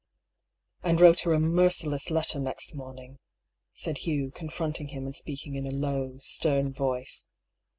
"And wrote her a merciless letter next morning," said Hugh, confronting him and speaking in a low, stern voice.